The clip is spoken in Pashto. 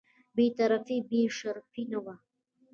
بې طرفي یې بې شرفي نه وه.